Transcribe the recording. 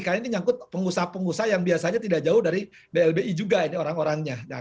karena ini nyangkut pengusaha pengusaha yang biasanya tidak jauh dari blbi juga ini orang orangnya